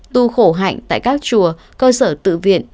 tu khổ hạnh tại các chùa cơ sở tự viện